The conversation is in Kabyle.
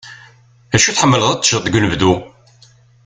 D acu i tḥemmleḍ ad t-teččeḍ deg unebdu?